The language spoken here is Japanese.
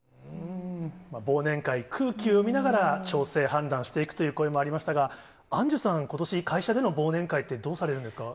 忘年会、空気を読みながら調整、判断していくという声もありましたが、アンジュさん、ことし、会社での忘年会って、どうされるんですか？